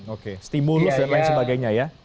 oke stimulus dan lain sebagainya ya